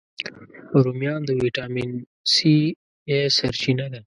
رومیان د ویټامین A، C سرچینه ده